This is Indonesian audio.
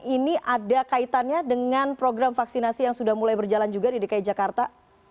ini ada kaitannya dengan program vaksinasi yang sudah mulai berjalan juga di dki jakarta